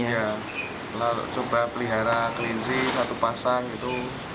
iya lalu coba pelihara kelinci satu pasang gitu